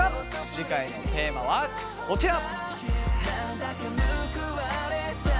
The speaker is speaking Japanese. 次回のテーマはこちら。